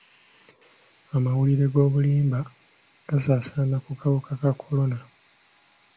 Amawulire ag'obulimba gasaasaana ku kawuka ka kolona.